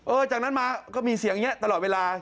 จากนั้นมาก็มีเสียงอย่างนี้ตลอดเวลา